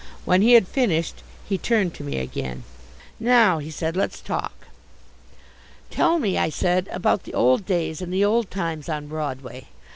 When he had finished he turned to me again. "Now," he said, "let's talk." "Tell me," I said, "about the old days and the old times on Broadway."